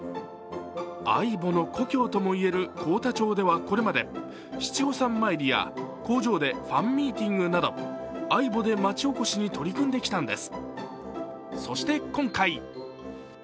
ａｉｂｏの故郷ともいえる幸田町では今まで工場でファンミーティングなどａｉｂｏでまちおこしに取り組んできたんです。